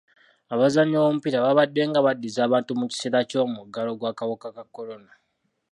Abazannyi b'omupiira babaddenga baddiza abantu mu kiseera ky'omuggalo gw'akawuka ka kolona.